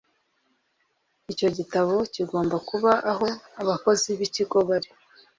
Icyo gitabo kigomba kuba aho abakozi b Ikigo bari